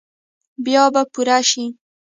بیا به پوره شي ؟